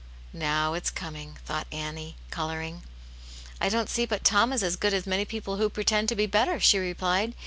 "Now it's coming!" thought Annie, colouring. "I don't see but Tom is as good as many people who pretend to be better," she replied.